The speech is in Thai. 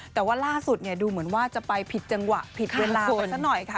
แต่ว่าล่าสุดเนี่ยดูเหมือนว่าจะไปผิดจังหวะผิดเวลากันสักหน่อยค่ะ